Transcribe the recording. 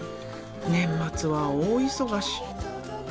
年末は大忙し。